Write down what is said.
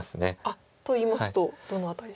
あっといいますとどの辺りでしょう？